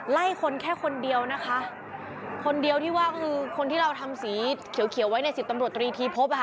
ไล่คนแค่คนเดียวนะคะคนเดียวที่ว่าคือคนที่เราทำสีเขียวเขียวไว้ในสิบตำรวจตรีทีพบอ่ะค่ะ